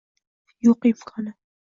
Yo’q imkoni